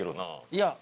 いや。